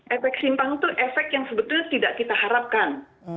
efek simpang itu efek yang sebetulnya tidak kita harapkan